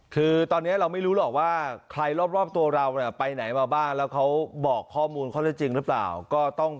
คือตอนนี้เราไม่รู้หรอกว่าใครรอบตัวเราไปไหนมาบ้าง